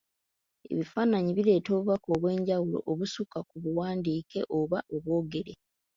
Ebifaananyi bireeta obubaka obw'enjawulo obusukka ku buwandiike oba obwogere.